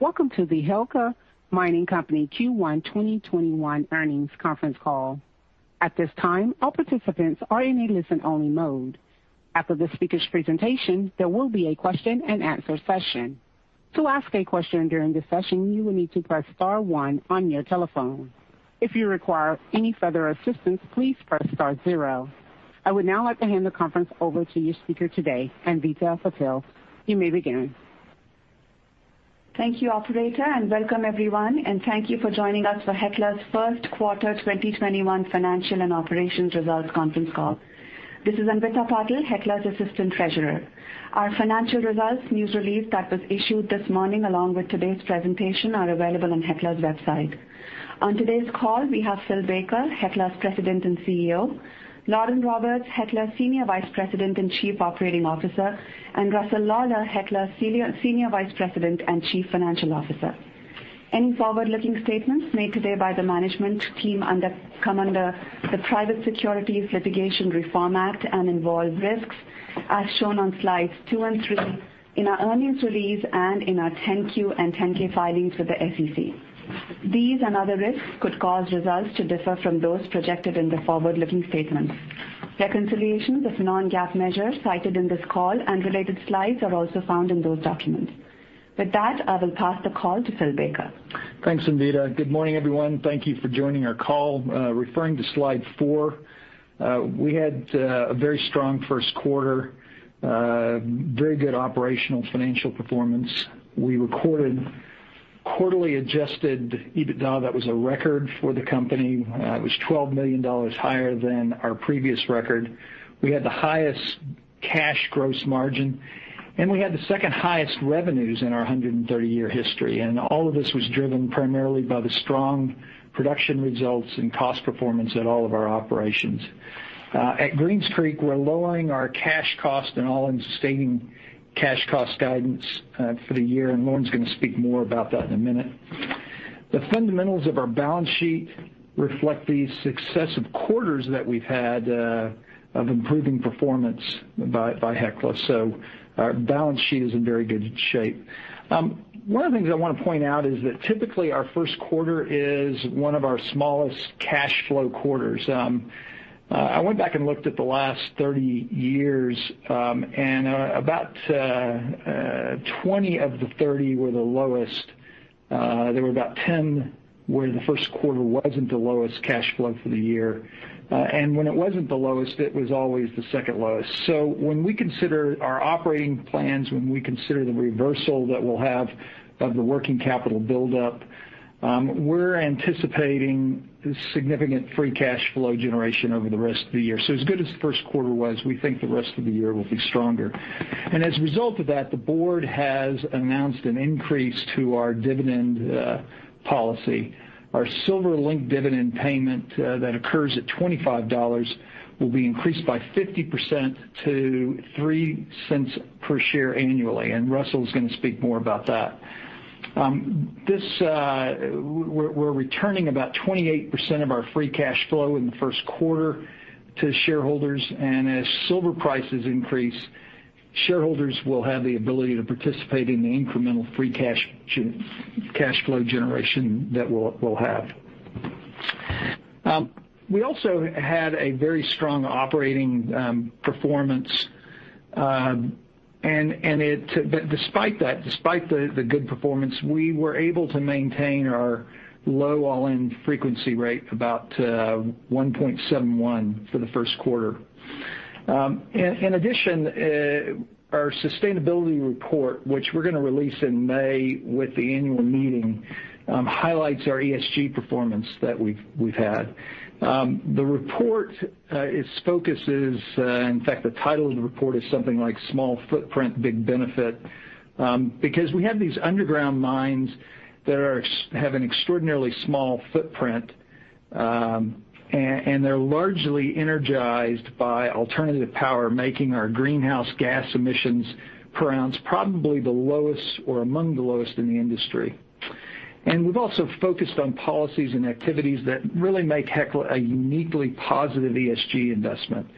Welcome to the Hecla Mining Company Q1 2021 earnings conference call. At this time, all participants are in listen-only mode. After the speakers' presentation, there will be a question and answer session. To ask a question during the session, you will need to press star one on your telephone. If you require any further assistance, please press star zero I would now like to hand the conference over to your speaker today, Anvita Patil. You may begin. Thank you, operator, welcome everyone, and thank you for joining us for Hecla's first quarter 2021 financial and operations results conference call. This is Anvita Patil, Hecla's Assistant Treasurer. Our financial results news release that was issued this morning, along with today's presentation, are available on Hecla's website. On today's call, we have Phil Baker, Hecla's President and CEO, Lauren Roberts, Hecla's Senior Vice President and Chief Operating Officer, and Russell Lawlar, Hecla's Senior Vice President and Chief Financial Officer. Any forward-looking statements made today by the management team come under the Private Securities Litigation Reform Act and involve risks as shown on slides two and three in our earnings release and in our 10-Q and 10-K filings with the SEC. These and other risks could cause results to differ from those projected in the forward-looking statements. Reconciliations of non-GAAP measures cited in this call and related slides are also found in those documents. With that, I will pass the call to Phillips S. Baker, Jr. Thanks, Anvita. Good morning, everyone. Thank you for joining our call. Referring to slide four, we had a very strong first quarter, very good operational financial performance. We recorded quarterly adjusted EBITDA that was a record for the company. It was $12 million higher than our previous record. We had the highest cash gross margin, and we had the second highest revenues in our 130-year history. All of this was driven primarily by the strong production results and cost performance at all of our operations. At Greens Creek, we're lowering our cash cost and all-in sustaining cash cost guidance for the year, and Lauren's going to speak more about that in a minute. The fundamentals of our balance sheet reflect the success of quarters that we've had of improving performance by Hecla, so our balance sheet is in very good shape. One of the things I want to point out is that typically our first quarter is one of our smallest cash flow quarters. I went back and looked at the last 30 years, about 20 of the 30 were the lowest. There were about 10 where the first quarter wasn't the lowest cash flow for the year. When it wasn't the lowest, it was always the second lowest. When we consider our operating plans, when we consider the reversal that we'll have of the working capital buildup, we're anticipating significant free cash flow generation over the rest of the year. As good as the first quarter was, we think the rest of the year will be stronger. As a result of that, the board has announced an increase to our dividend policy. Our silver-linked dividend payment that occurs at $25 will be increased by 50% to $0.03 per share annually. Russell is going to speak more about that. We're returning about 28% of our free cash flow in the first quarter to shareholders. As silver prices increase, shareholders will have the ability to participate in the incremental free cash flow generation that we'll have. We also had a very strong operating performance. Despite that, despite the good performance, we were able to maintain our low all-injury frequency rate, about 1.71, for the first quarter. In addition, our sustainability report, which we're going to release in May with the annual meeting, highlights our ESG performance that we've had. The report, its focus is, in fact, the title of the report is something like Small Footprint, Big Benefit. We have these underground mines that have an extraordinarily small footprint, and they're largely energized by alternative power, making our greenhouse gas emissions per ounce probably the lowest or among the lowest in the industry. We've also focused on policies and activities that really make Hecla a uniquely positive ESG investment.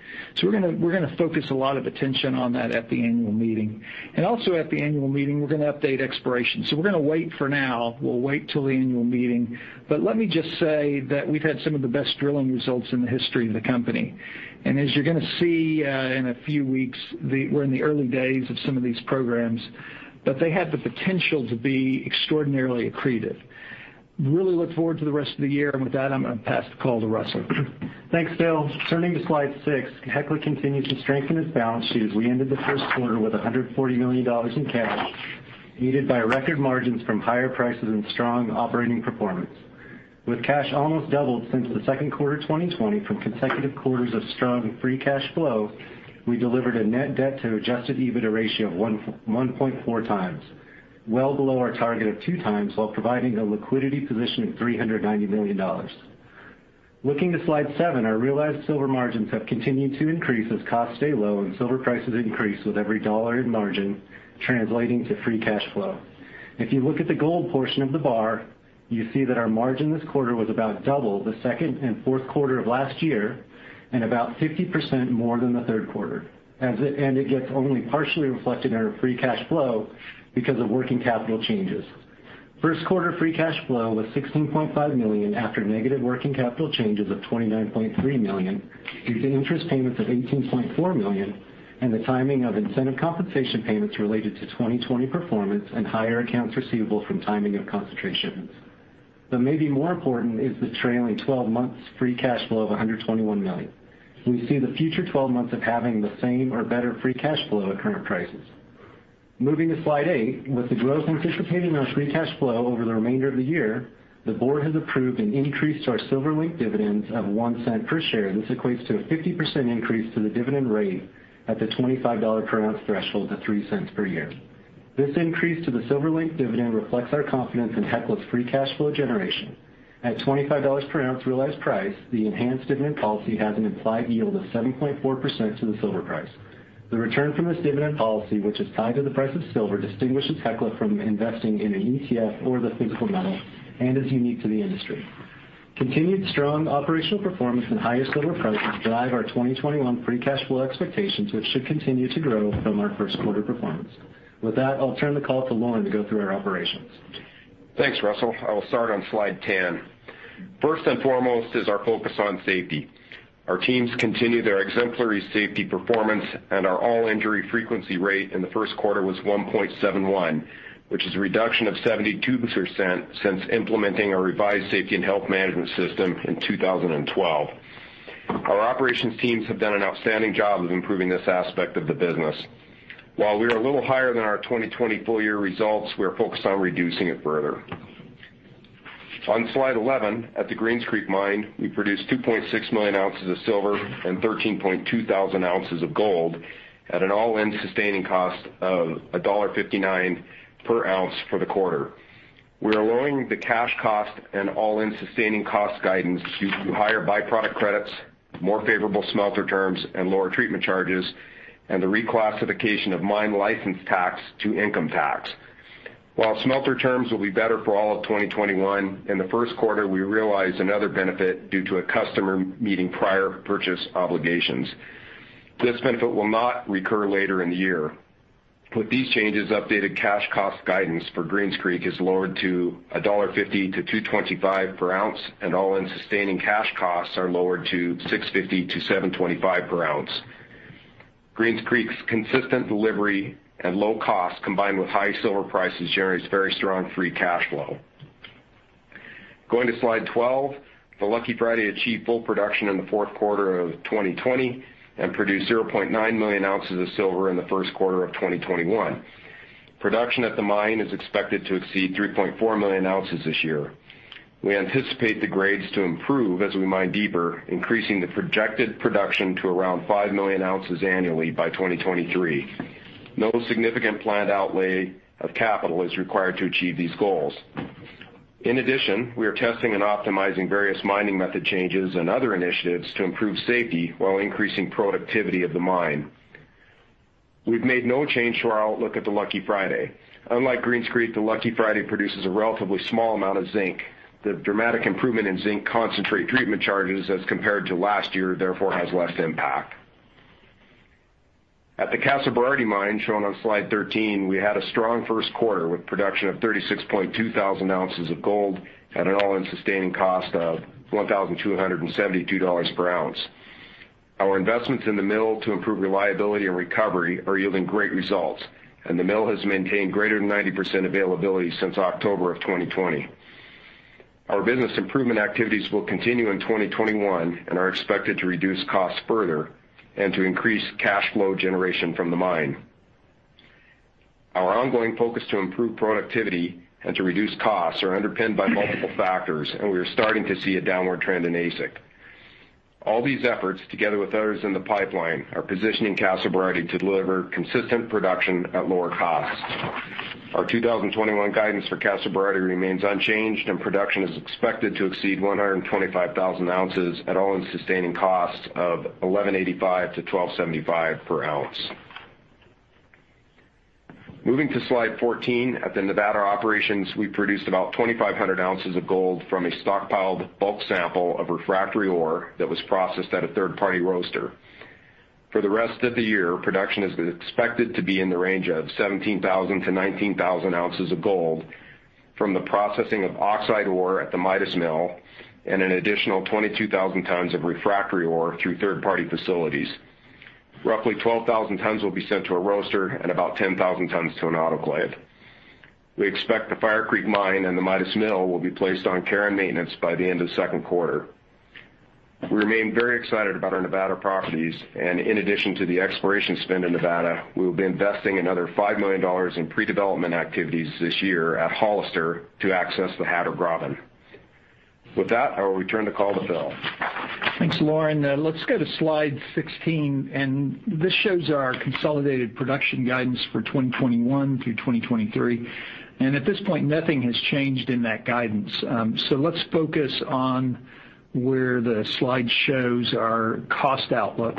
We're going to focus a lot of attention on that at the annual meeting. Also at the annual meeting, we're going to update exploration. We're going to wait for now. We'll wait till the annual meeting. Let me just say that we've had some of the best drilling results in the history of the company. As you're going to see in a few weeks, we're in the early days of some of these programs, but they have the potential to be extraordinarily accretive. Really look forward to the rest of the year. With that, I'm going to pass the call to Russell. Thanks, Phil. Turning to slide six, Hecla continues to strengthen its balance sheet as we ended the first quarter with $140 million in cash, aided by record margins from higher prices and strong operating performance. With cash almost doubled since the second quarter 2020 from consecutive quarters of strong free cash flow, we delivered a net debt to adjusted EBITDA ratio of 1.4x, well below our target of 2x, while providing a liquidity position of $390 million. Looking to slide seven, our realized silver margins have continued to increase as costs stay low and silver prices increase with every dollar in margin translating to free cash flow. If you look at the gold portion of the bar, you see that our margin this quarter was about double the second and fourth quarter of last year, and about 50% more than the third quarter. It gets only partially reflected in our free cash flow because of working capital changes. First quarter free cash flow was $16.5 million after negative working capital changes of $29.3 million, due to interest payments of $18.4 million, and the timing of incentive compensation payments related to 2020 performance and higher accounts receivable from timing of concentrations. Maybe more important is the trailing 12 months free cash flow of $121 million. We see the future 12 months of having the same or better free cash flow at current prices. Moving to slide eight, with the growth anticipating our free cash flow over the remainder of the year, the board has approved an increase to our silver link dividends of $0.01 per share. This equates to a 50% increase to the dividend rate at the $25 per ounce threshold at $0.03 per year. This increase to the silver link dividend reflects our confidence in Hecla's free cash flow generation. At $25 per ounce realized price, the enhanced dividend policy has an implied yield of 7.4% to the silver price. The return from this dividend policy, which is tied to the price of silver, distinguishes Hecla from investing in an ETF or the physical metal and is unique to the industry. Continued strong operational performance and higher silver prices drive our 2021 free cash flow expectations, which should continue to grow from our first quarter performance. With that, I'll turn the call to Lauren to go through our operations. Thanks, Russell. I will start on slide 10. First and foremost is our focus on safety. Our teams continue their exemplary safety performance, and our all-injury frequency rate in the first quarter was 1.71, which is a reduction of 72% since implementing a revised safety and health management system in 2012. Our operations teams have done an outstanding job of improving this aspect of the business. While we are a little higher than our 2020 full year results, we are focused on reducing it further. On slide 11, at the Greens Creek mine, we produced 2.6 million ounces of silver and 13,200 ounces of gold at an all-in sustaining cost of $1.59 per ounce for the quarter. We're lowering the cash cost and all-in sustaining cost guidance due to higher byproduct credits, more favorable smelter terms, and lower treatment charges, and the reclassification of mine license tax to income tax. While smelter terms will be better for all of 2021, in the first quarter, we realized another benefit due to a customer meeting prior purchase obligations. This benefit will not recur later in the year. With these changes, updated cash cost guidance for Greens Creek is lowered to $1.50- $2.25 per ounce, and all-in sustaining cash costs are lowered to $6.50- $7.25 per ounce. Greens Creek's consistent delivery at low cost, combined with high silver prices, generates very strong free cash flow. Going to slide 12, the Lucky Friday achieved full production in the fourth quarter of 2020 and produced 0.9 million ounces of silver in the first quarter of 2021. Production at the mine is expected to exceed 3.4 million ounces this year. We anticipate the grades to improve as we mine deeper, increasing the projected production to around five million ounces annually by 2023. No significant planned outlay of capital is required to achieve these goals. In addition, we are testing and optimizing various mining method changes and other initiatives to improve safety while increasing productivity of the mine. We've made no change to our outlook at the Lucky Friday. Unlike Greens Creek, the Lucky Friday produces a relatively small amount of zinc. The dramatic improvement in zinc concentrate treatment charges as compared to last year, therefore, has less impact. At the Casa Berardi mine, shown on slide 13, we had a strong first quarter with production of 36.2 thousand ounces of gold at an all-in sustaining cost of $1,272 per ounce. Our investments in the mill to improve reliability and recovery are yielding great results, and the mill has maintained greater than 90% availability since October of 2020. Our business improvement activities will continue in 2021 and are expected to reduce costs further and to increase cash flow generation from the mine. Our ongoing focus to improve productivity and to reduce costs are underpinned by multiple factors, and we are starting to see a downward trend in AISC. All these efforts, together with others in the pipeline, are positioning Casa Berardi to deliver consistent production at lower costs. Our 2021 guidance for Casa Berardi remains unchanged, and production is expected to exceed 125,000 ounces at all-in sustaining costs of $1,185-$1,275 per ounce. Moving to slide 14, at the Nevada operations, we produced about 2,500 ounces of gold from a stockpiled bulk sample of refractory ore that was processed at a third-party roaster. For the rest of the year, production is expected to be in the range of 17,000-19,000 ounces of gold from the processing of oxide ore at the Midas Mill and an additional 22,000 tons of refractory ore through third-party facilities. Roughly 12,000 tons will be sent to a roaster and about 10,000 tons to an autoclave. We expect the Fire Creek Mine and the Midas Mill will be placed on care and maintenance by the end of the second quarter. We remain very excited about our Nevada properties, and in addition to the exploration spend in Nevada, we will be investing another $5 million in pre-development activities this year at Hollister to access the Hatter Graben. With that, I will return the call to Phil. Thanks, Lauren Roberts. Let's go to slide 16. This shows our consolidated production guidance for 2021 through 2023. At this point, nothing has changed in that guidance. Let's focus on where the slide shows our cost outlook.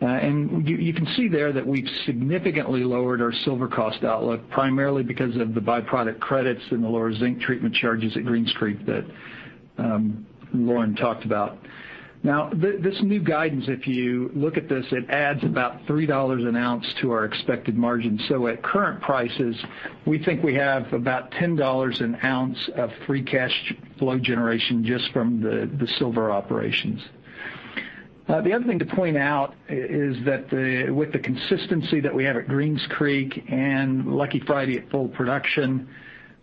You can see there that we've significantly lowered our silver cost outlook, primarily because of the byproduct credits and the lower zinc treatment charges at Greens Creek that Lauren talked about. This new guidance, if you look at this, it adds about $3 an ounce to our expected margin. At current prices, we think we have about $10 an ounce of free cash flow generation just from the silver operations. The other thing to point out is that with the consistency that we have at Greens Creek and Lucky Friday at full production,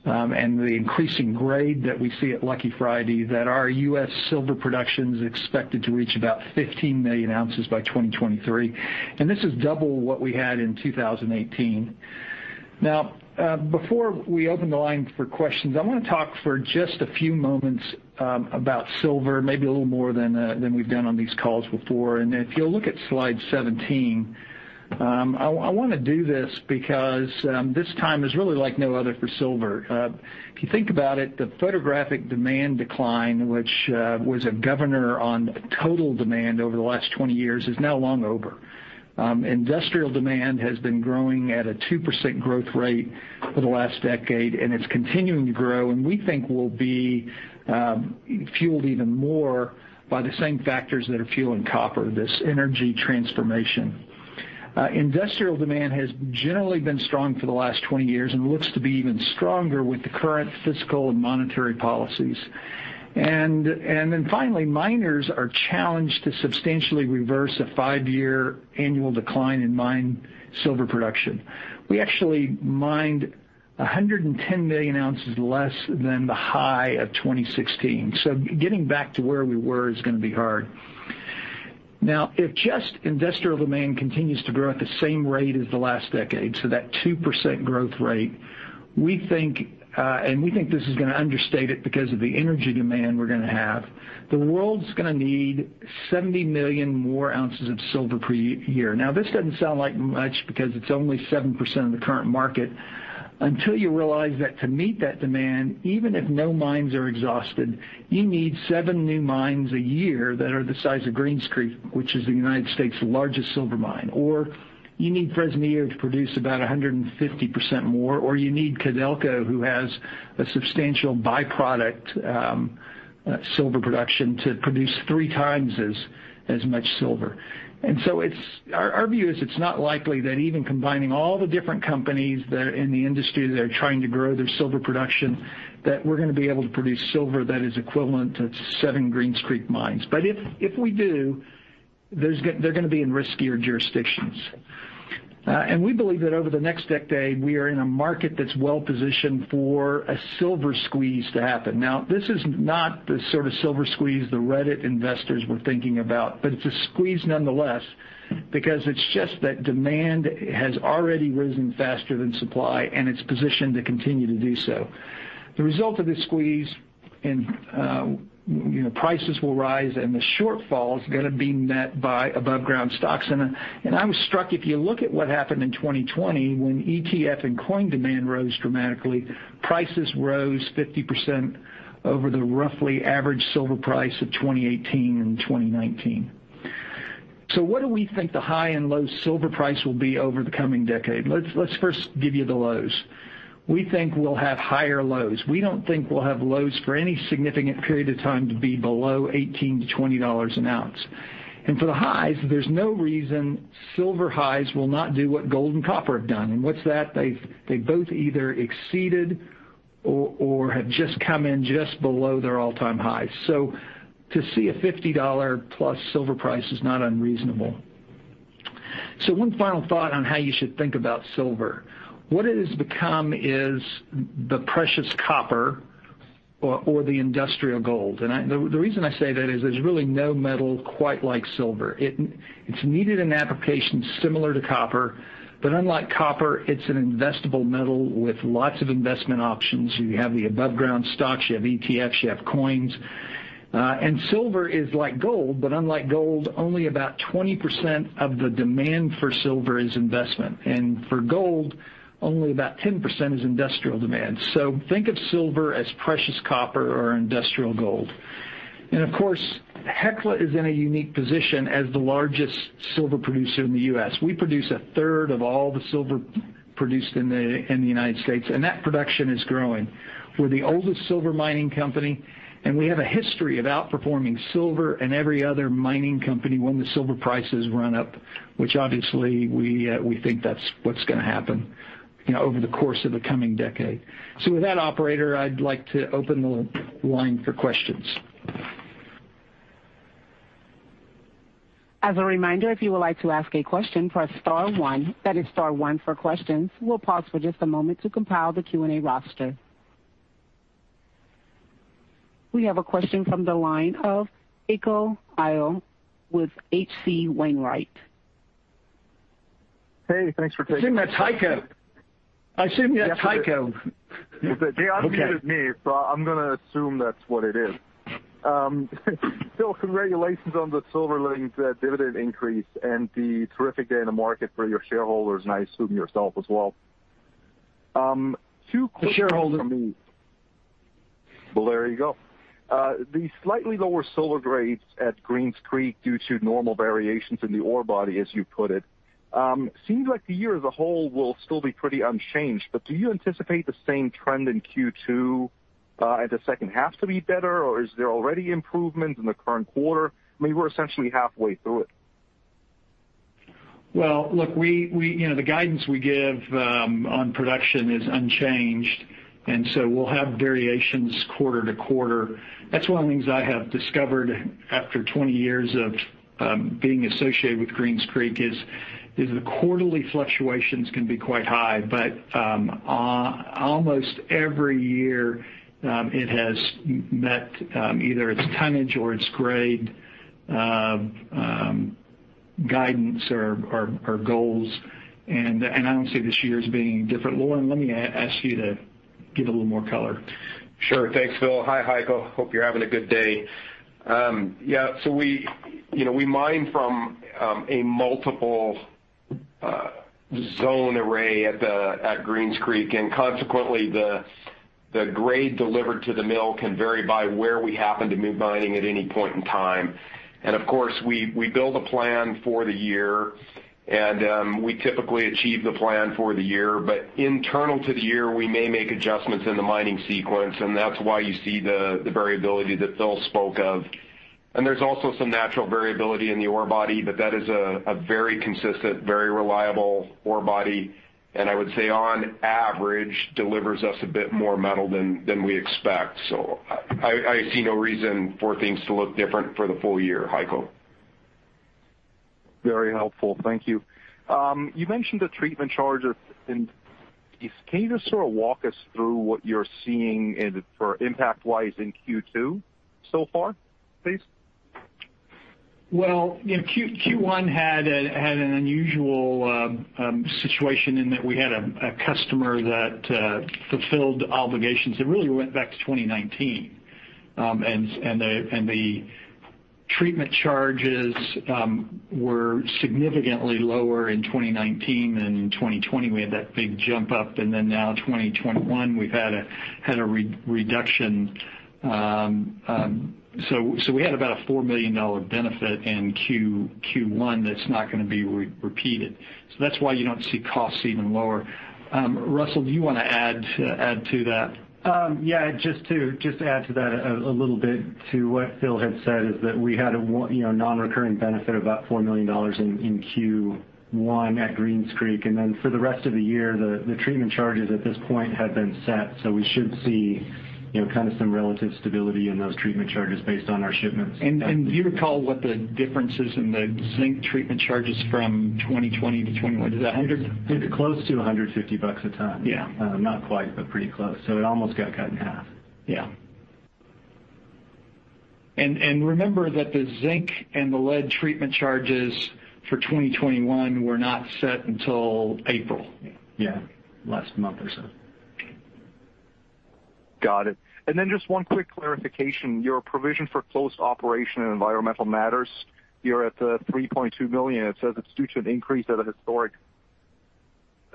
and the increasing grade that we see at Lucky Friday, that our U.S. silver production's expected to reach about 15 million ounces by 2023, and this is double what we had in 2018. Before we open the line for questions, I want to talk for just a few moments about silver, maybe a little more than we've done on these calls before. If you'll look at slide 17, I want to do this because this time is really like no other for silver. If you think about it, the photographic demand decline, which was a governor on total demand over the last 20 years, is now long over. Industrial demand has been growing at a 2% growth rate for the last decade, and it's continuing to grow. We think will be fueled even more by the same factors that are fueling copper, this energy transformation. Industrial demand has generally been strong for the last 20 years and looks to be even stronger with the current fiscal and monetary policies. Finally, miners are challenged to substantially reverse a five-year annual decline in mined silver production. We actually mined 110 million ounces less than the high of 2016. Getting back to where we were is going to be hard. If just industrial demand continues to grow at the same rate as the last decade, so that 2% growth rate, and we think this is going to understate it because of the energy demand we're going to have. The world's going to need 70 million more ounces of silver per year. This doesn't sound like much because it's only 7% of the current market, until you realize that to meet that demand, even if no mines are exhausted, you need seven new mines a year that are the size of Greens Creek, which is the U.S.' largest silver mine. You need Fresnillo to produce about 150% more, or you need Codelco, who has a substantial byproduct silver production to produce three times as much silver. Our view is it's not likely that even combining all the different companies that are in the industry that are trying to grow their silver production, that we're going to be able to produce silver that is equivalent to seven Greens Creek mines. If we do, they're going to be in riskier jurisdictions. We believe that over the next decade, we are in a market that's well-positioned for a silver squeeze to happen. This is not the sort of silver squeeze the Reddit investors were thinking about. It's a squeeze nonetheless because it's just that demand has already risen faster than supply, and it's positioned to continue to do so. The result of this squeeze, prices will rise and the shortfall is going to be met by above-ground stocks. I was struck, if you look at what happened in 2020 when ETF and coin demand rose dramatically, prices rose 50% over the roughly average silver price of 2018 and 2019. What do we think the high and low silver price will be over the coming decade? Let's first give you the lows. We think we'll have higher lows. We don't think we'll have lows for any significant period of time to be below $18-$20 an ounce. For the highs, there's no reason silver highs will not do what gold and copper have done. What's that? They've both either exceeded or have just come in just below their all-time highs. To see a $50+ silver price is not unreasonable. One final thought on how you should think about silver. What it has become is the precious copper or the industrial gold. The reason I say that is there's really no metal quite like silver. It's needed in applications similar to copper, but unlike copper, it's an investable metal with lots of investment options. You have the above-ground stocks, you have ETFs, you have coins. Silver is like gold, but unlike gold, only about 20% of the demand for silver is investment, and for gold, only about 10% is industrial demand. Think of silver as precious copper or industrial gold. Of course, Hecla is in a unique position as the largest silver producer in the U.S. We produce a third of all the silver produced in the United States, and that production is growing. We're the oldest silver mining company, and we have a history of outperforming silver and every other mining company when the silver prices run up, which obviously, we think that's what's going to happen over the course of the coming decade. With that, operator, I'd like to open the line for questions. As a reminder, if you would like to ask a question, press star one. That is star one for questions. We'll pause for just a moment to compile the Q&A roster. We have a question from the line of Heiko Ihle with H.C. Wainwright Hey, thanks for. I assume that's Heiko. Yes, it is. They unmuted me. I'm going to assume that's what it is. Congratulations on the silver linked dividend increase and the terrific day in the market for your shareholders, and I assume yourself as well. Well, there you go. The slightly lower silver grades at Greens Creek due to normal variations in the ore body, as you put it. It seems like the year as a whole will still be pretty unchanged. Do you anticipate the same trend in Q2 and the second half to be better, or is there already improvement in the current quarter? We're essentially halfway through it. Well, look, the guidance we give on production is unchanged. We'll have variations quarter to quarter. That's one of the things I have discovered after 20 years of being associated with Greens Creek, is the quarterly fluctuations can be quite high. Almost every year, it has met either its tonnage or its grade guidance or goals. I don't see this year as being different. Lauren, let me ask you to give a little more color. Sure. Thanks, Phil. Hi, Heiko. Hope you're having a good day. We mine from a multiple zone array at Greens Creek, and consequently, the grade delivered to the mill can vary by where we happen to be mining at any point in time. Of course, we build a plan for the year, and we typically achieve the plan for the year. Internal to the year, we may make adjustments in the mining sequence, and that's why you see the variability that Phil spoke of. There's also some natural variability in the ore body, that is a very consistent, very reliable ore body, I would say on average, delivers us a bit more metal than we expect. I see no reason for things to look different for the full year, Heiko. Very helpful. Thank you. You mentioned the treatment charges. Can you just sort of walk us through what you're seeing for impact-wise in Q2 so far, please? Well, Q1 had an unusual situation in that we had a customer that fulfilled obligations that really went back to 2019. The treatment charges were significantly lower in 2019 than in 2020. We had that big jump up, and then now 2021, we've had a reduction. We had about a $4 million benefit in Q1 that's not going to be repeated. That's why you don't see costs even lower. Russell, do you want to add to that? Yeah, just to add to that a little bit to what Phil had said, is that we had a non-recurring benefit of about $4 million in Q1 at Greens Creek. For the rest of the year, the treatment charges at this point have been set. We should see kind of some relative stability in those treatment charges based on our shipments. Do you recall what the difference is in the zinc treatment charges from 2020-2021? Close to $150 a ton. Yeah. Not quite, but pretty close. It almost got cut in half. Yeah. Remember that the zinc and the lead treatment charges for 2021 were not set until April. Yeah. Last month or so. Got it. Just one quick clarification. Your provision for closed operation and environmental matters, you're at $3.2 million. It says it's due to an increase at a historic.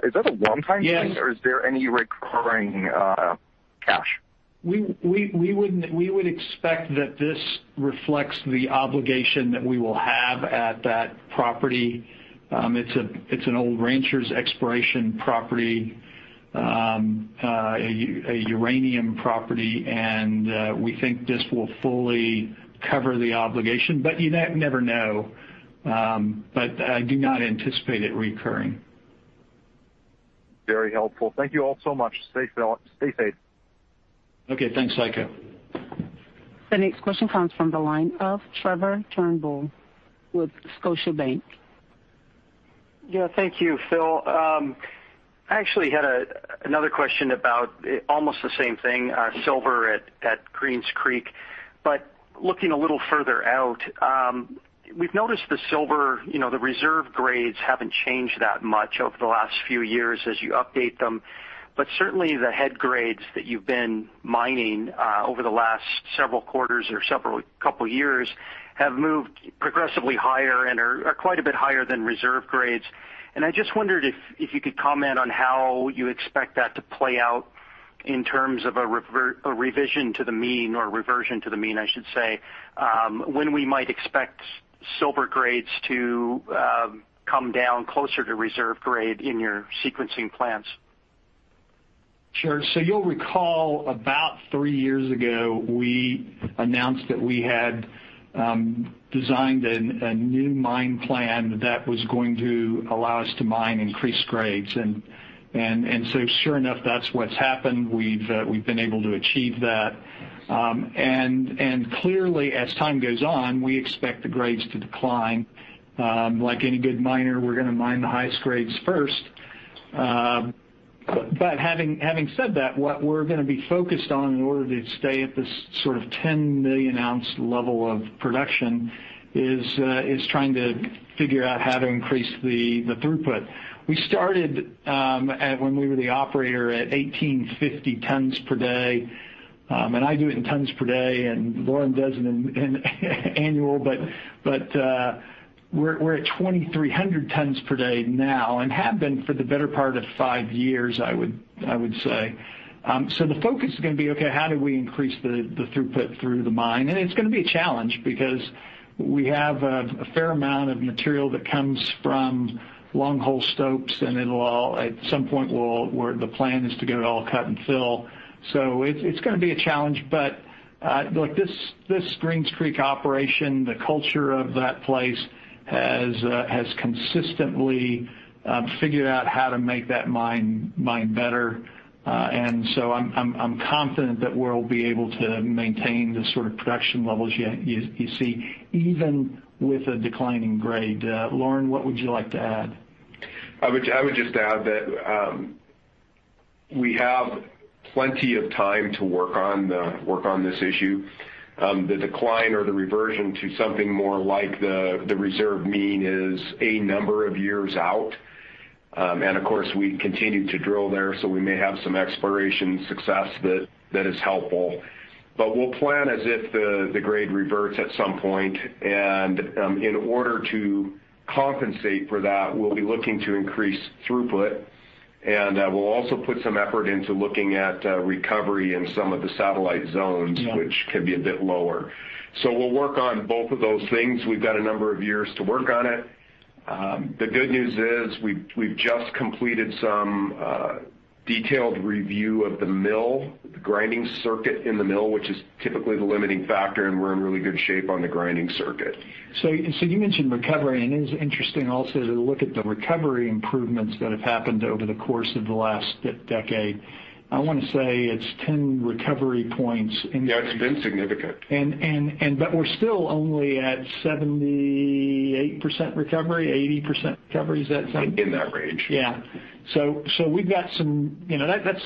Is that a one-time thing? Yes. Is there any recurring cash? We would expect that this reflects the obligation that we will have at that property. It's an old Ranchers Exploration property, a uranium property, and we think this will fully cover the obligation. You never know. I do not anticipate it recurring. Very helpful. Thank you all so much. Stay safe. Okay, thanks, Heiko. The next question comes from the line of Trevor Turnbull with Scotiabank. Yeah. Thank you, Phil. I actually had another question about almost the same thing, silver at Greens Creek. Looking a little further out, we've noticed the silver, the reserve grades haven't changed that much over the last few years as you update them. Certainly, the head grades that you've been mining over the last several quarters or several couple years have moved progressively higher and are quite a bit higher than reserve grades. I just wondered if you could comment on how you expect that to play out in terms of a revision to the mean, or reversion to the mean, I should say, when we might expect silver grades to come down closer to reserve grade in your sequencing plans. You'll recall about three years ago, we announced that we had designed a new mine plan that was going to allow us to mine increased grades. Sure enough, that's what's happened. We've been able to achieve that. Clearly, as time goes on, we expect the grades to decline. Like any good miner, we're going to mine the highest grades first. Having said that, what we're going to be focused on in order to stay at this sort of 10 million ounce level of production, is trying to figure out how to increase the throughput. We started, when we were the operator, at 1,850 tons per day. I do it in tons per day, and Lauren does it in annual, but we're at 2,300 tons per day now and have been for the better part of five years, I would say. The focus is going to be, okay, how do we increase the throughput through the mine? It's going to be a challenge because we have a fair amount of material that comes from long hole stopes and at some point, the plan is to get it all cut and fill. It's going to be a challenge, but this Greens Creek operation, the culture of that place has consistently figured out how to make that mine better. I'm confident that we'll be able to maintain the sort of production levels you see, even with a declining grade. Lauren, what would you like to add? I would just add that we have plenty of time to work on this issue. The decline or the reversion to something more like the reserve mean is a number of years out. Of course, we continue to drill there, so we may have some exploration success that is helpful. We'll plan as if the grade reverts at some point. In order to compensate for that, we'll be looking to increase throughput, and we'll also put some effort into looking at recovery in some of the satellite zones. Yeah Which could be a bit lower. We'll work on both of those things. We've got a number of years to work on it. The good news is we've just completed some detailed review of the mill, the grinding circuit in the mill, which is typically the limiting factor, and we're in really good shape on the grinding circuit. You mentioned recovery, and it is interesting also to look at the recovery improvements that have happened over the course of the last decade. I want to say it's 10 recovery points. Yeah, it's been significant. We're still only at 78% recovery, 80% recovery. Is that something? In that range. Yeah.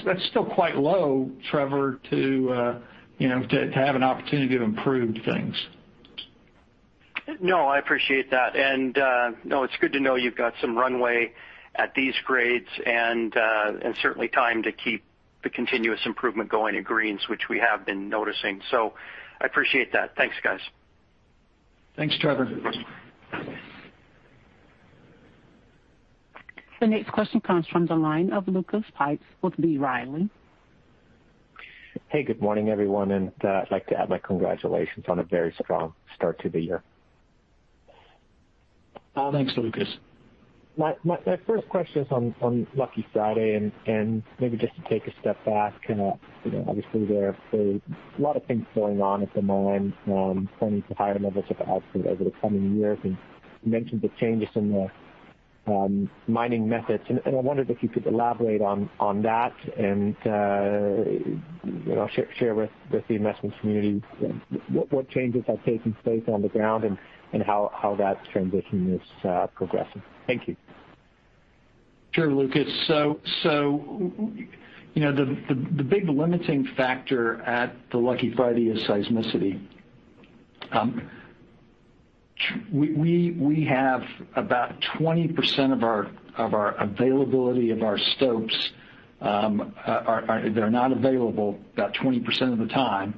That's still quite low, Trevor, to have an opportunity to improve things. No, I appreciate that. No, it's good to know you've got some runway at these grades and certainly time to keep the continuous improvement going at Greens, which we have been noticing. I appreciate that. Thanks, guys. Thanks, Trevor. The next question comes from the line of Lucas Pipes with B. Riley. Hey, good morning, everyone. I'd like to add my congratulations on a very strong start to the year. Thanks, Lucas. My first question is on Lucky Friday, and maybe just to take a step back, obviously there are a lot of things going on at the mine, planning for higher levels of output over the coming years, and you mentioned the changes in the mining methods, and I wondered if you could elaborate on that and share with the investment community what changes have taken place on the ground and how that transition is progressing. Thank you. Sure, Lucas. The big limiting factor at the Lucky Friday is seismicity. We have about 20% of our availability of our stopes; they're not available about 20% of the time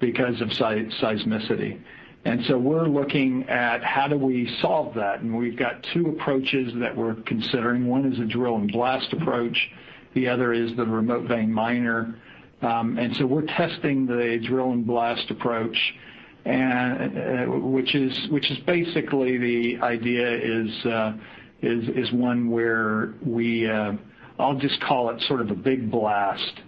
because of seismicity. We're looking at how do we solve that, and we've got two approaches that we're considering. One is a drill and blast approach, the other is the remote vein miner. We're testing the drill and blast approach, which is basically the idea is one where we, I'll just call it sort of a big blast,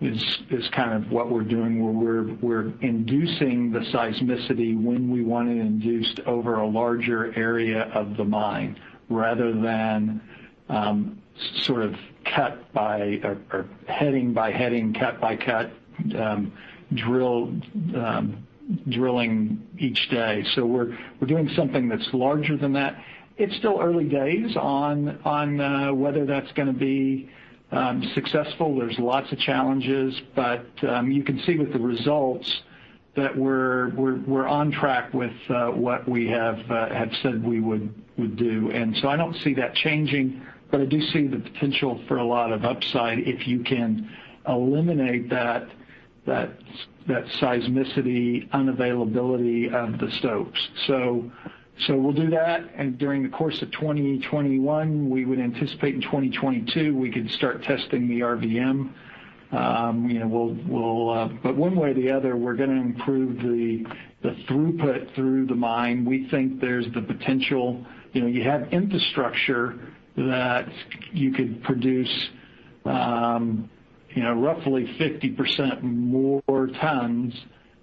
is kind of what we're doing, where we're inducing the seismicity when we want it induced over a larger area of the mine rather than sort of cut by or heading by heading, cut by cut, drilling each day. We're doing something that's larger than that. It's still early days on whether that's going to be successful. There's lots of challenges, but you can see with the results that we're on track with what we have said we would do. I don't see that changing, but I do see the potential for a lot of upside if you can eliminate that seismicity unavailability of the stopes. We'll do that, and during the course of 2021, we would anticipate in 2022, we could start testing the RVM. One way or the other, we're going to improve the throughput through the mine. We think there's the potential. You have infrastructure that you could produce roughly 50% more tons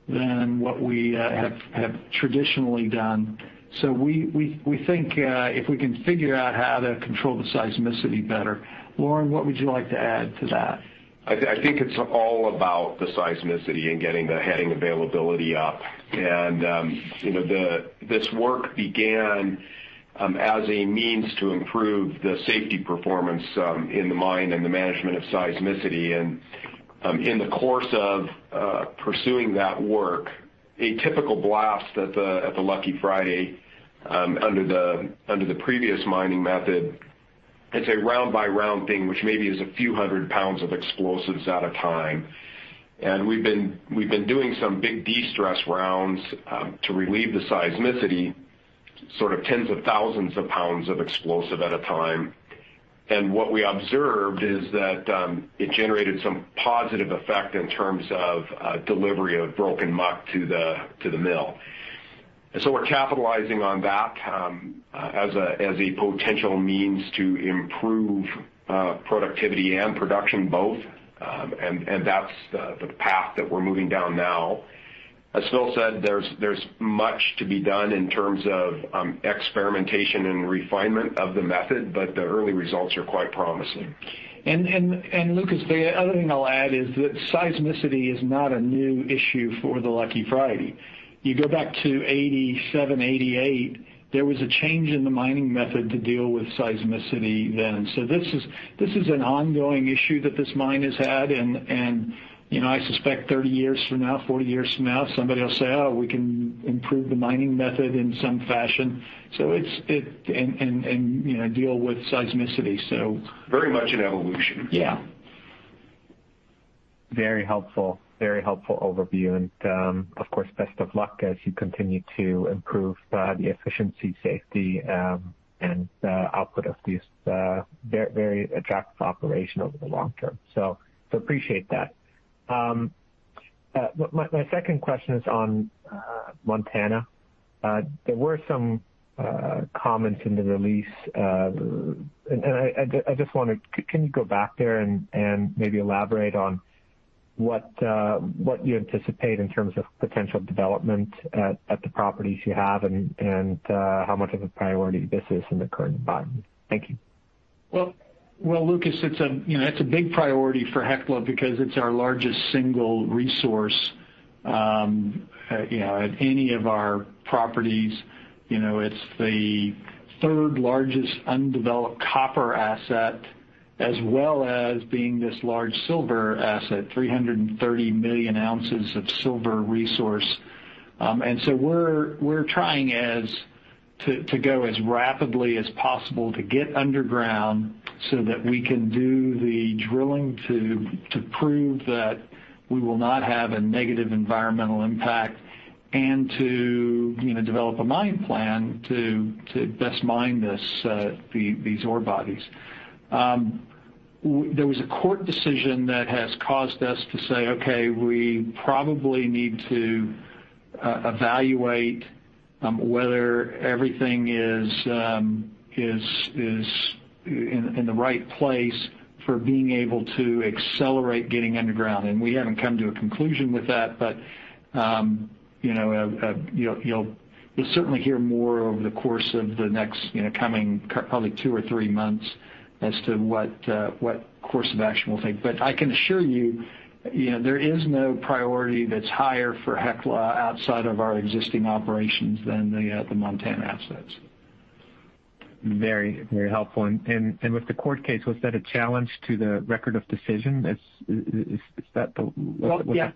than what we have traditionally done. We think if we can figure how to control the seismicity better. Lauren, what would you like to add to that? I think it's all about the seismicity and getting the heading availability up. This work began as a means to improve the safety performance in the mine and the management of seismicity. In the course of pursuing that work, a typical blast at the Lucky Friday under the previous mining method, it's a round-by-round thing, which maybe is a few hundred pounds of explosives at a time. We've been doing some big destress rounds to relieve the seismicity. Sort of tens of thousands of pounds of explosive at a time. What we observed is that it generated some positive effect in terms of delivery of broken muck to the mill. We're capitalizing on that as a potential means to improve productivity and production both. That's the path that we're moving down now. As Phil said, there's much to be done in terms of experimentation and refinement of the method, but the early results are quite promising. Lucas, the other thing I'll add is that seismicity is not a new issue for the Lucky Friday. You go back to 1987, 1988, there was a change in the mining method to deal with seismicity then. This is an ongoing issue that this mine has had, and I suspect 30 years from now, 40 years from now, somebody will say, "Oh, we can improve the mining method in some fashion. Very much an evolution. Yeah. Very helpful. Very helpful overview. Of course, best of luck as you continue to improve the efficiency, safety, and the output of this very attractive operation over the long term. Appreciate that. My second question is on Montana. There were some comments in the release, and I just wonder, can you go back there and maybe elaborate on what you anticipate in terms of potential development at the properties you have and how much of a priority this is in the current environment? Thank you. Well, Lucas, it's a big priority for Hecla because it's our largest single resource at any of our properties. It's the third largest undeveloped copper asset, as well as being this large silver asset, 330 million ounces of silver resource. We're trying to go as rapidly as possible to get underground so that we can do the drilling to prove that we will not have a negative environmental impact and to develop a mine plan to best mine these ore bodies. There was a court decision that has caused us to say, "Okay, we probably need to evaluate whether everything is in the right place for being able to accelerate getting underground." We haven't come to a conclusion with that. You'll certainly hear more over the course of the next coming probably two or three months as to what course of action we'll take. I can assure you, there is no priority that's higher for Hecla outside of our existing operations than the Montana assets. Very helpful. With the court case, was that a challenge to the record of decision? Well, yeah.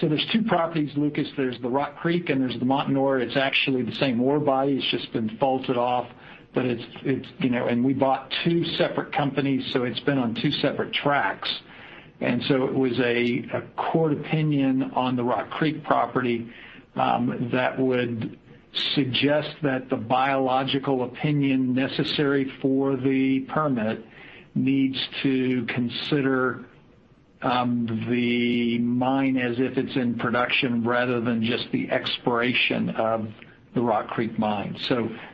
There's two properties, Lucas. There's the Rock Creek and there's the Montanore. It's actually the same ore body. It's just been faulted off, and we bought two separate companies, so it's been on two separate tracks. It was a court opinion on the Rock Creek property that would suggest that the biological opinion necessary for the permit needs to consider the mine as if it's in production rather than just the exploration of the Rock Creek mine.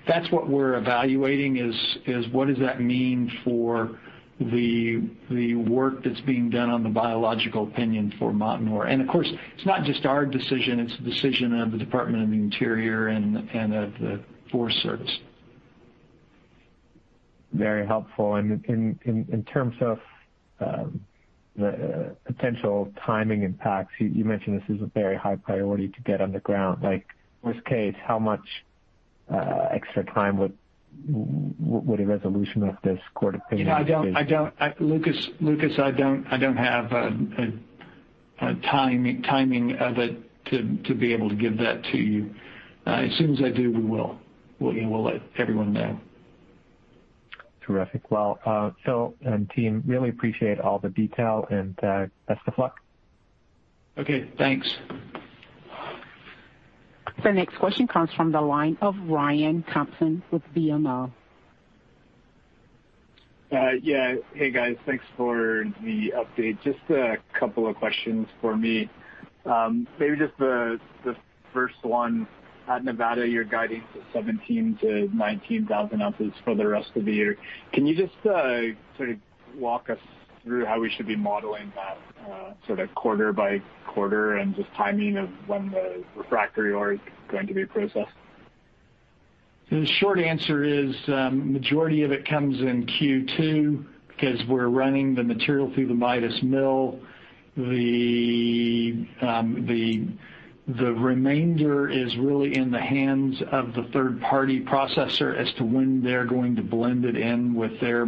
That's what we're evaluating is what does that mean for the work that's being done on the biological opinion for Montanore. Of course, it's not just our decision, it's the decision of the Department of the Interior and of the Forest Service. Very helpful. In terms of the potential timing impacts, you mentioned this is a very high priority to get underground. Like worst case, how much extra time would a resolution of this court opinion take? Lucas, I don't have a timing of it to be able to give that to you. As soon as I do, we will let everyone know. Terrific. Well, Phil and team, really appreciate all the detail and best of luck. Okay, thanks. The next question comes from the line of Ryan Thompson with BMO. Yeah. Hey, guys. Thanks for the update. Just a couple of questions for me. Maybe just the first one. At Nevada, you're guiding for 17,000-19,000 ounces for the rest of the year. Can you just sort of walk us through how we should be modeling that sort of quarter by quarter and just timing of when the refractory ore is going to be processed? The short answer is, majority of it comes in Q2 because we're running the material through the Midas mill. The remainder is really in the hands of the third-party processor as to when they're going to blend it in with their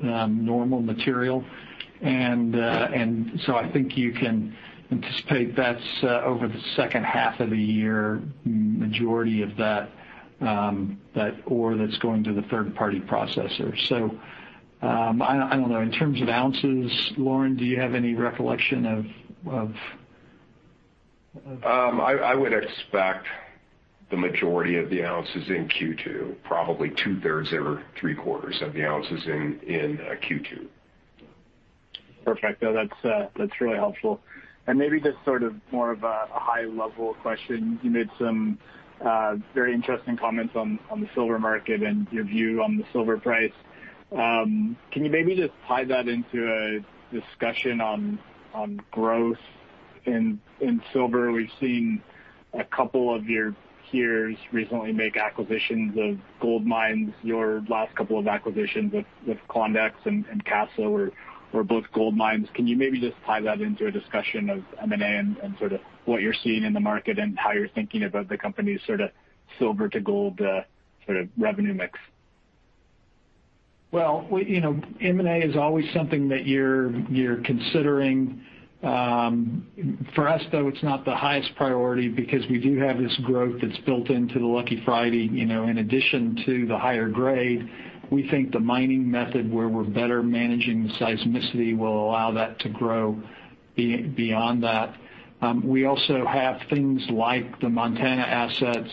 normal material. I think you can anticipate that's over the second half of the year, that's going to the third-party processor. I don't know. In terms of ounces, Lauren, do you have any recollection of? I would expect the majority of the ounces in Q2, probably two-thirds or three-quarters of the ounces in Q2. Perfect, though. That's really helpful. Maybe just sort of more of a high level question. You made some very interesting comments on the silver market and your view on the silver price. Can you maybe just tie that into a discussion on growth in silver? We've seen a couple of your peers recently make acquisitions of gold mines. Your last couple of acquisitions with Klondex and Casa Berardi were both gold mines. Can you maybe just tie that into a discussion of M&A and sort of what you're seeing in the market and how you're thinking about the company's sort of silver to gold, sort of revenue mix? Well, M&A is always something that you're considering. For us, though, it's not the highest priority because we do have this growth that's built into the Lucky Friday. In addition to the higher grade, we think the mining method where we're better managing the seismicity will allow that to grow beyond that. We also have things like the Montana assets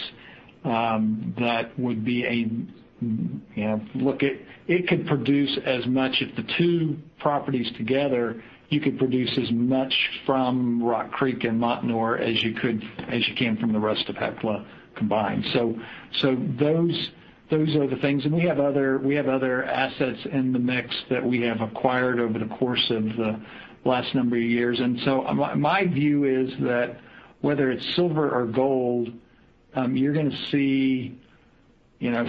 that would be look, it could produce, as much as the two properties together, you could produce as much from Rock Creek and Montanore as you can from the rest of Hecla combined. Those are the things. We have other assets in the mix that we have acquired over the course of the last number of years. My view is that whether it's silver or gold, you're going to see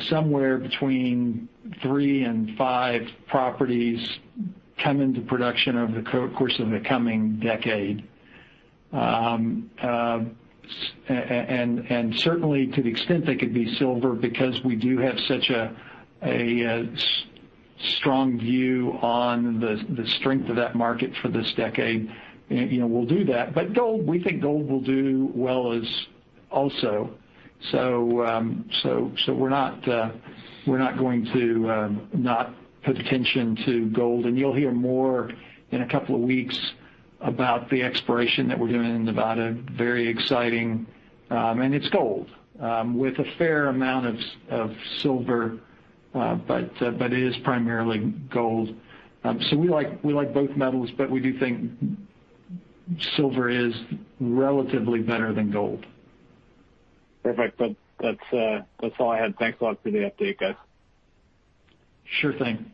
somewhere between three and five properties come into production over the course of the coming decade. Certainly, to the extent they could be silver, because we do have such a strong view on the strength of that market for this decade, we'll do that. Gold, we think gold will do well also. We're not going to not put attention to gold. You'll hear more in a couple of weeks about the exploration that we're doing in Nevada. Very exciting. It's gold, with a fair amount of silver. It is primarily gold. We like both metals, but we do think silver is relatively better than gold. Perfect. That's all I had. Thanks a lot for the update, guys. Sure thing.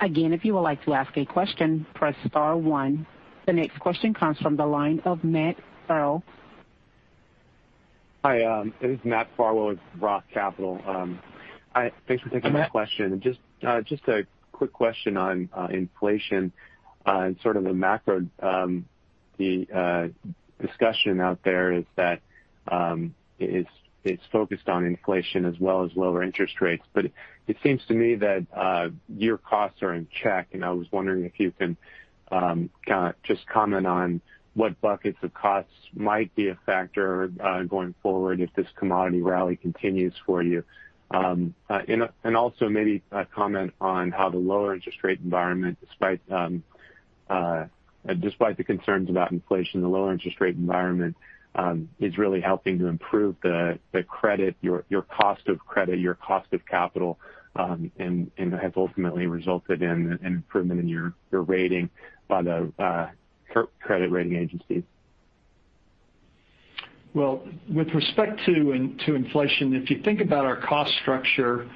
Again, if you would like to ask a question, press star one. The next question comes from the line of Matt Farwell. Hi, this is Matthew Farwell with ROTH Capital Partners. Thanks for taking my question. Matt. Just a quick question on inflation and sort of the macro. The discussion out there is that it's focused on inflation as well as lower interest rates. It seems to me that your costs are in check, and I was wondering if you can just comment on what buckets of costs might be a factor going forward if this commodity rally continues for you. Also maybe comment on how the lower interest rate environment, despite the concerns about inflation, the lower interest rate environment is really helping to improve the credit, your cost of credit, your cost of capital, and has ultimately resulted in an improvement in your rating by the credit rating agencies. With respect to inflation, if you think about our cost structure,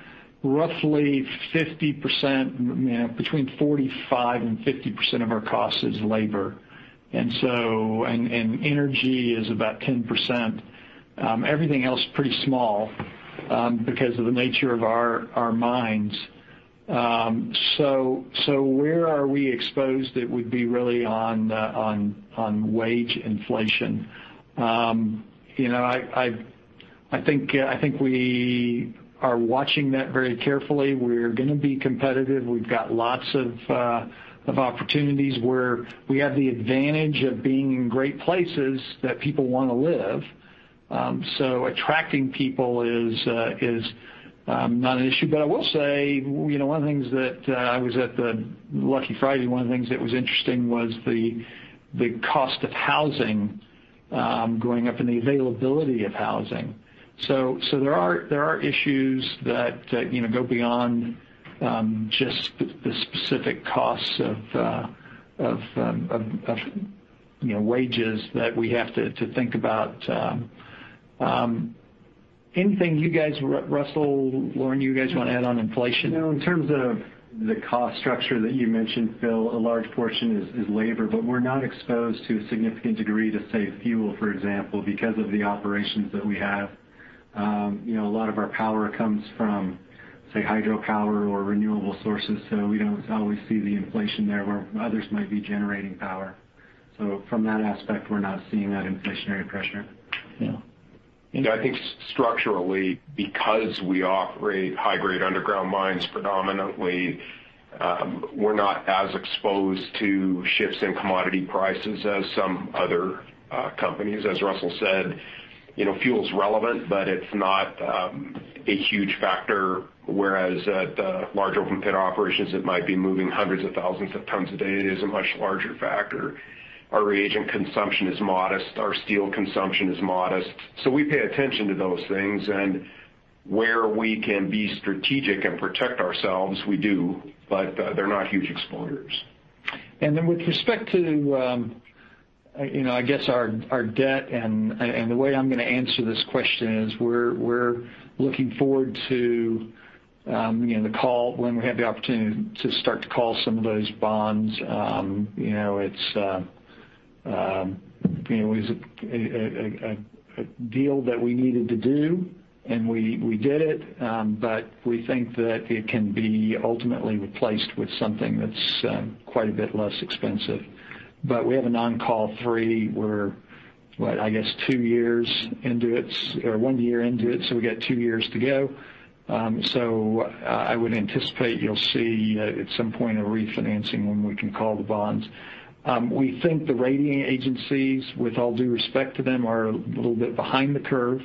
roughly 50%, between 45% and 50% of our cost is labor. Energy is about 10%. Everything else pretty small because of the nature of our mines. Where are we exposed? It would be really on wage inflation. I think we are watching that very carefully. We're going to be competitive. We've got lots of opportunities where we have the advantage of being in great places that people want to live. Attracting people is not an issue. I will say, one of the things that, I was at the Lucky Friday, one of the things that was interesting was the cost of housing going up and the availability of housing. There are issues that go beyond just the specific costs of wages that we have to think about. Anything you guys, Russell, Lauren, you guys want to add on inflation? In terms of the cost structure that you mentioned, Phil, a large portion is labor, but we're not exposed to a significant degree to, say, fuel, for example, because of the operations that we have. A lot of our power comes from, say, hydropower or renewable sources, so we don't always see the inflation there where others might be generating power. From that aspect, we're not seeing that inflationary pressure. Yeah. I think structurally, because we operate high-grade underground mines predominantly, we're not as exposed to shifts in commodity prices as some other companies, as Russell said. Fuel is relevant, but it's not a huge factor, whereas at the large open pit operations, it might be moving hundreds of thousands of tons a day. It is a much larger factor. Our reagent consumption is modest. Our steel consumption is modest. We pay attention to those things, and where we can be strategic and protect ourselves, we do, but they're not huge exposures. With respect to our debt and the way I'm going to answer this question is we're looking forward to the call when we have the opportunity to start to call some of those bonds. It was a deal that we needed to do, and we did it. We think that it can be ultimately replaced with something that's quite a bit less expensive. We have a non-call three. We're, what, I guess, two years into it or one year into it, so we got two years to go. I would anticipate you'll see at some point a refinancing when we can call the bonds. We think the rating agencies, with all due respect to them, are a little bit behind the curve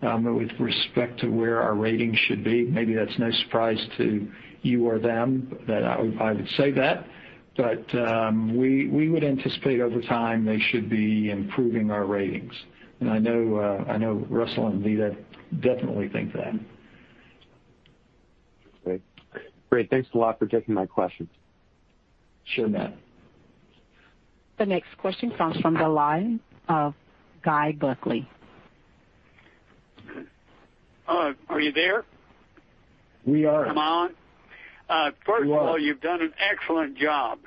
with respect to where our ratings should be. Maybe that's no surprise to you or them that I would say that, we would anticipate over time they should be improving our ratings. I know Russell and Anvita definitely think that. Great. Thanks a lot for taking my questions. Sure, Matt. The next question comes from the line of Guy Buckley. Are you there? We are. Am I on? You are. First of all, you've done an excellent job.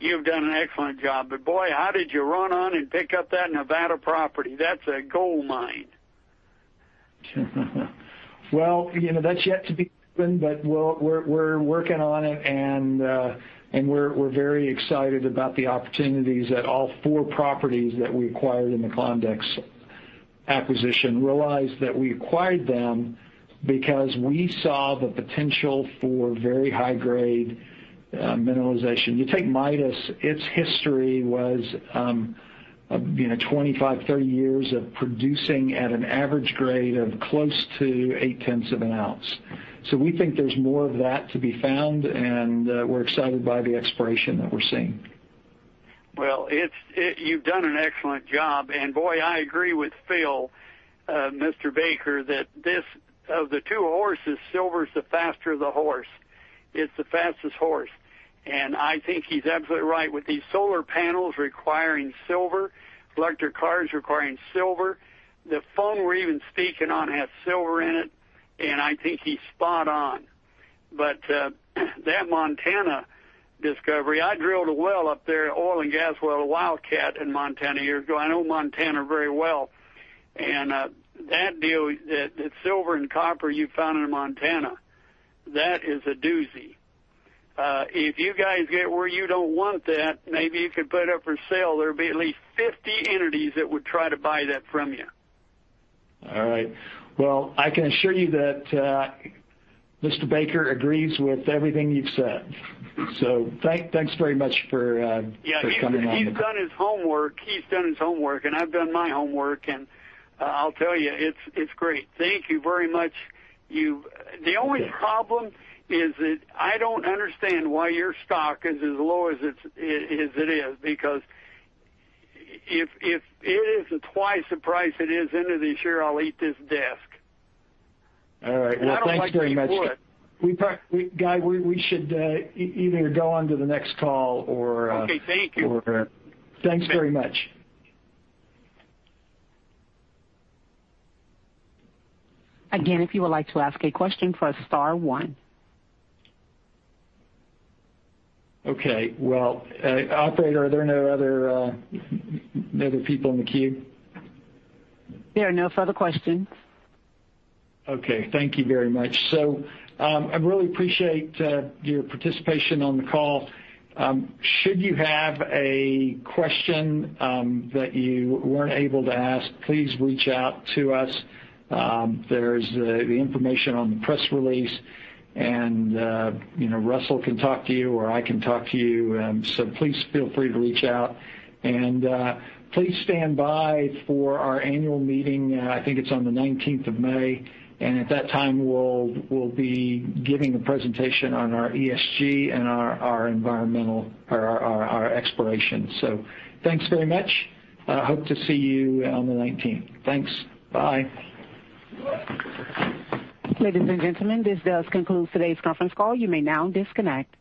You've done an excellent job. Boy, how did you run on and pick up that Nevada property? That's a gold mine. Well, that's yet to be seen, but we're working on it, and we're very excited about the opportunities that all four properties that we acquired in the Klondex acquisition realized that we acquired them because we saw the potential for very high-grade mineralization. You take Midas, its history was 25, 30 years of producing at an average grade of close to eight tenths of an ounce. We think there's more of that to be found, and we're excited by the exploration that we're seeing. Well, you've done an excellent job. Boy, I agree with Phil Baker that of the two horses, silver is the faster the horse. It's the fastest horse. I think he's absolutely right with these solar panels requiring silver, electric cars requiring silver. The phone we're even speaking on has silver in it, and I think he's spot on. That Montana discovery, I drilled a well up there, oil and gas well, a wildcat in Montana years ago. I know Montana very well. That deal, that silver and copper you found in Montana, that is a doozy. If you guys get where you don't want that, maybe you could put it up for sale. There'd be at least 50 entities that would try to buy that from you. All right. Well, I can assure you that Mr. Baker agrees with everything you've said. Thanks very much for coming on. Yeah. He's done his homework, and I've done my homework, and I'll tell you, it's great. Thank you very much. The only problem is that I don't understand why your stock is as low as it is, because if it isn't twice the price it is end of this year, I'll eat this desk. All right. Well, thanks very much. I don't like to be fooled. Guy, we should either go on to the next call. Okay. Thank you. Thanks very much. Again, if you would like to ask a question, press star one. Okay. Well, operator, are there no other people in the queue? There are no further questions. Okay. Thank you very much. I really appreciate your participation on the call. Should you have a question that you weren't able to ask, please reach out to us. There's the information on the press release, and Russell can talk to you, or I can talk to you. Please feel free to reach out. Please stand by for our annual meeting. I think it's on the 19th of May, and at that time, we'll be giving a presentation on our ESG and our exploration. Thanks very much. Hope to see you on the 19th. Thanks. Bye. Ladies and gentlemen, this does conclude today's conference call. You may now disconnect.